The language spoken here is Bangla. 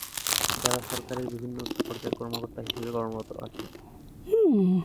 যারা সরকারের বিভিন্ন উচ্চ পর্যায়ের কর্মকর্তা হিসেবে কর্মরত আছেন।